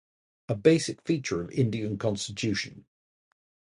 A basic feature of Indian Constitution.